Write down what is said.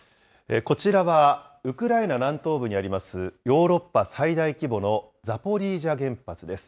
こちらはウクライナ南東部にあります、ヨーロッパ最大規模のザポリージャ原発です。